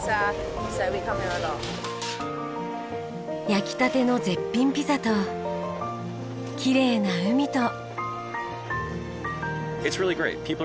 焼きたての絶品ピザときれいな海と。